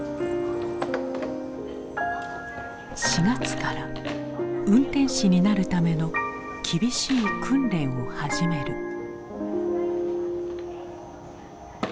４月から運転士になるための厳しい訓練を始める。